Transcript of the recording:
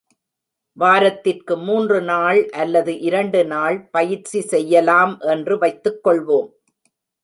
வாரத்திற்கு மூன்று நாள் அல்லது, இரண்டு நாள் பயிற்சி செய்யலாம் என்று வைத்துக் கொள்வோம்.